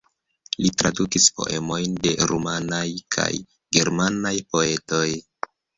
Li tradukis poemojn de rumanaj kaj germanaj poetoj.